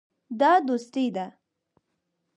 دا دوستي ده.